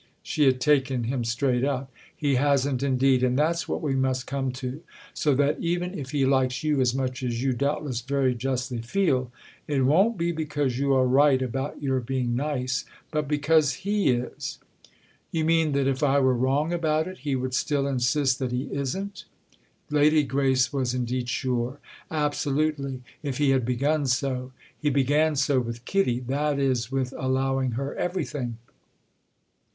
—she had taken him straight up. "He hasn't indeed, and that's what we must come to; so that even if he likes you as much as you doubtless very justly feel, it won't be because you are right about your being nice, but because he is!" "You mean that if I were wrong about it he would still insist that he isn't?" Lady Grace was indeed sure. "Absolutely—if he had begun so! He began so with Kitty—that is with allowing her everything."